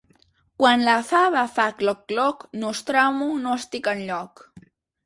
Quan la fava fa cloc-cloc, nostramo, no estic enlloc.